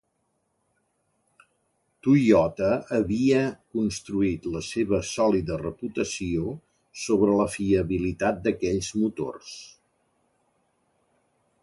Toyota havia construït la seva sòlida reputació sobre la fiabilitat d'aquells motors.